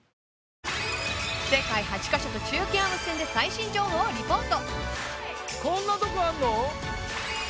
世界８カ所と中継を結んで最新情報をリポート！